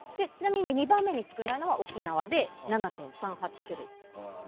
２番目に少ないのが沖縄で７．３８種類。